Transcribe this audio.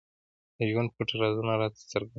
د ژوند پټ رازونه راته څرګندوي.